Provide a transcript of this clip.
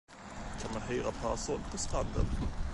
Kan man hyra parasoll på stranden?